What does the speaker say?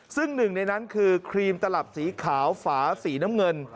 ซึ่งหนึ่งในนั้นคือครีมตลับสีขาวฝาสีน้ำเงิน